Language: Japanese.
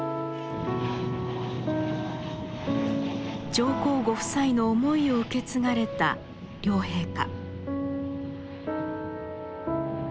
上皇ご夫妻の思いを受け継がれた両陛下。